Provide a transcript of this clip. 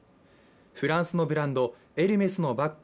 フランスのブランドエルメスのバッグ、